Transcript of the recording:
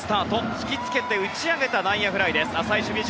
引きつけて打ち上げた内野フライです。